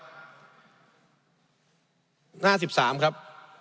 หน้า๑๓ครับ